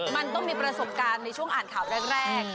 มันต้องมีประสบการณ์ในช่วงอ่านข่าวแรก